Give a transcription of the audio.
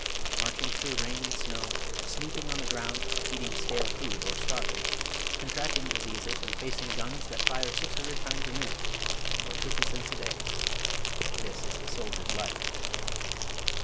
Marching through rain and snow, sleeping on the ground, eating stale food or starving, contracting diseases and facing guns that fire six hundred times a minute, for fifty cents a day this is the soldier's life.